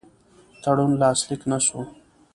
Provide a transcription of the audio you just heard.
تړون لاسلیک نه سو.